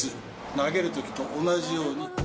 投げるときと同じように。